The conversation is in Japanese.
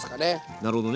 なるほどね